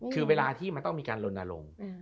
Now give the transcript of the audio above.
คือเวลาที่มันต้องมีการลนลง